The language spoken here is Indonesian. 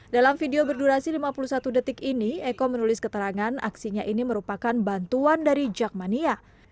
dalam video berdurasi lima puluh satu detik ini eko menulis keterangan aksinya ini merupakan bantuan dari jakmania